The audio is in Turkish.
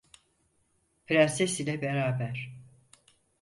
Prenses ile beraber…